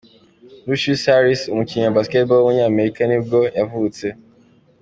Lucious Harris, umukinnyi wa basketball w’umunyamerika nibwo yavutse.